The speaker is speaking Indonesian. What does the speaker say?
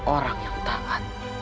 orang yang taat